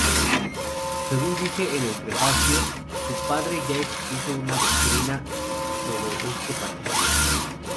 Según dice en el prefacio, su padre ya expuso una doctrina sobre este particular.